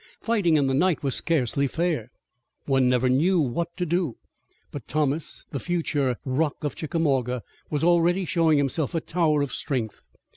Fighting in the night was scarcely fair. One never knew what to do. But Thomas, the future "Rock of Chickamauga," was already showing himself a tower of strength.